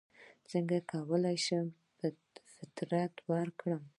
څنګه کولی شم فطرې ورکړم